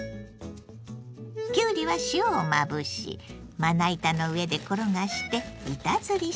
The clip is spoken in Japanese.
きゅうりは塩をまぶしまな板の上で転がして板ずりします。